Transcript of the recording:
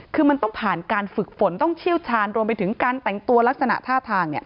คือมันต้องผ่านการฝึกฝนต้องเชี่ยวชาญรวมไปถึงการแต่งตัวลักษณะท่าทาง